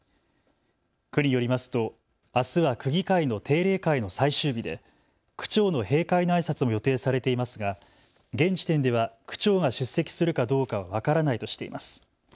区によりますと、あすは区議会の定例会の最終日で区長の閉会のあいさつも予定されていますが現時点では区長が出席するかどうかは分からないとしています。